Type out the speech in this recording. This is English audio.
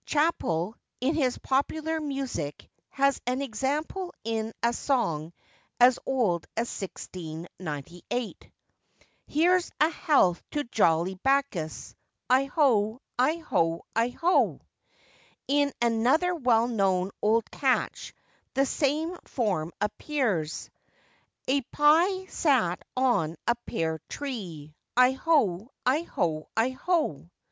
Chappell, in his Popular Music, has an example in a song as old as 1698:— 'Here's a health to jolly Bacchus, I ho! I ho! I ho!' and in another well known old catch the same form appears:— 'A pye sat on a pear tree, I ho, I ho, I ho.